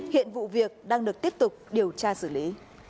hiện vụ việc đang được tiếp tục điều tra xử lý